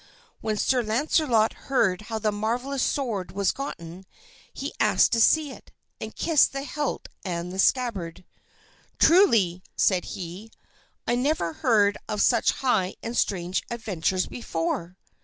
When Sir Launcelot heard how the marvelous sword was gotten, he asked to see it, and kissed the hilt and the scabbard. "Truly," said he, "I never heard of such high and strange adventures before."